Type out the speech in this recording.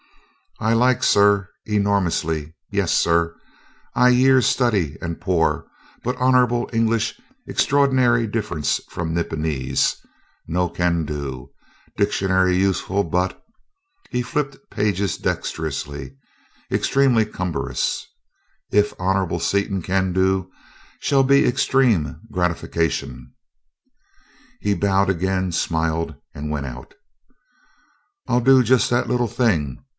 "I like, sir, enormously, yes, sir. I years study and pore, but honorable English extraordinary difference from Nipponese no can do. Dictionary useful but ..." he flipped pages dexterously, "extremely cumbrous. If honorable Seaton can do, shall be extreme ... gratification." He bowed again, smiled, and went out. "I'll do just that little thing.